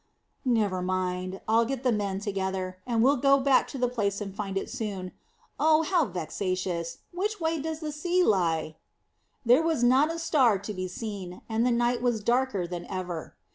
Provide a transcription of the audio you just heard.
"Never mind. I'll get the men together, and we'll go back to the place and soon find it. Oh, how vexatious! Which way does the sea lie?" There was not a star to be seen, and the night was darker than ever.